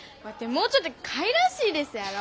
もうちょっとかいらしいですやろ。